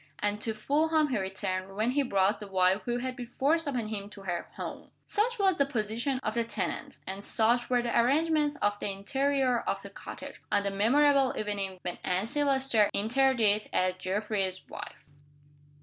And to Fulham he returned, when he brought the wife who had been forced upon him to her "home." Such was the position of the tenant, and such were the arrangements of the interior of the cottage, on the memorable evening when Anne Silvester entered it as Geoffrey's wife.